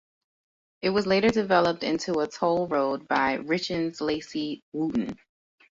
It was later developed into a toll road by Richens Lacey Wootton.